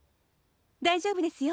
大丈夫ですよ。